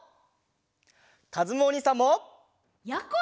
かずむおにいさんも！やころも！